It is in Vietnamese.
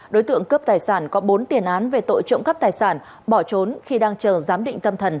đối tượng cướp tài sản có bốn tiền án về tội trộm cắp tài sản bỏ trốn khi đang chờ giám định tâm thần